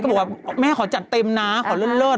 ใช่กลับว่าแม่ขอจัดเต็มนะขอเล่น